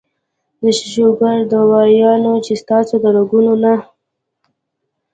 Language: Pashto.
د شوګر دوايانې چې ستاسو د رګونو نه